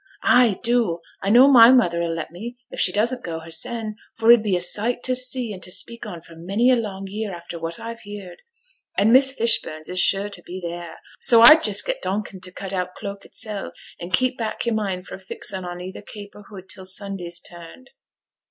'Ay, do. I know my mother 'll let me, if she doesn't go hersen; for it 'll be a sight to see and to speak on for many a long year, after what I've heerd. And Miss Fishburns is sure to be theere, so I'd just get Donkin to cut out cloak itsel', and keep back yer mind fra' fixing o' either cape or hood till Sunday's turn'd.'